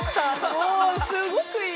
もうすごくいい！